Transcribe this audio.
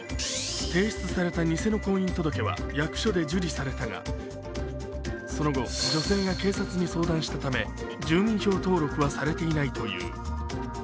提出された偽の婚姻届は役所で受理されたが、その後、女性が警察に相談したため住民票登録はされていないという。